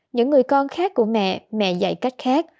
những người con khác của mẹ mẹ dạy cách khác